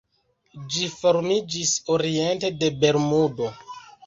Ĝi formiĝis oriente de Bermudo.